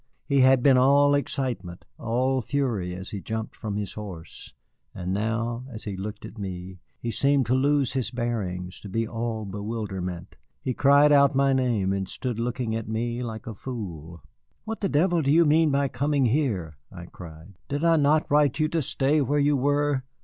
He had been all excitement, all fury, as he jumped from his horse; and now, as he looked at me, he seemed to lose his bearings, to be all bewilderment. He cried out my name and stood looking at me like a fool. "What the devil do you mean by coming here?" I cried. "Did I not write you to stay where you were?